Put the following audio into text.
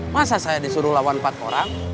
masa saya disuruh lawan empat orang